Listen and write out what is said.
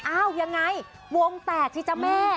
อ้าวยังไงวงแตกสิจ๊ะแม่